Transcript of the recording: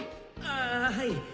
あぁはい！